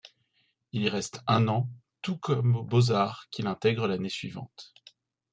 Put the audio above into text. Il y reste un an tout comme aux Beaux-arts qu'il intègre l'année suivante.